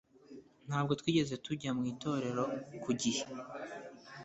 Ntabwo twigeze tujya mu itorero ku gihe